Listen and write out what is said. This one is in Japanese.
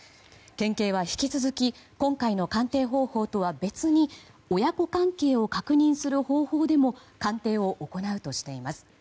県警は引き続き今回の鑑定方法とは別に親子関係を確認する方法でも鑑定を行うとしています。